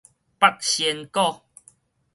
八仙果